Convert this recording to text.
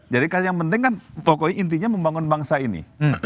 yang penting kan pokoknya intinya membangun bangsa ini